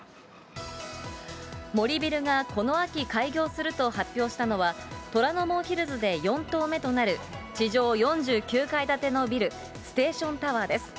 森ビルがこの秋開業すると発表したのは、虎ノ門ヒルズで４棟目となる地上４９階建てのビル、ステーションタワーです。